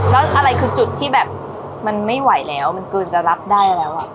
แล้วอะไรคือจุดที่แบบมันไม่ไหวแล้วมันเกินจะรับได้แล้ว